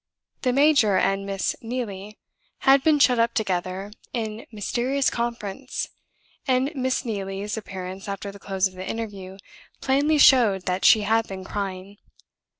The major and Miss Neelie had been shut up together in mysterious conference; and Miss Neelie's appearance after the close of the interview plainly showed that she had been crying.